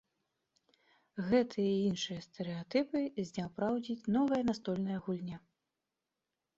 Гэтыя і іншыя стэрэатыпы зняпраўдзіць новая настольная гульня.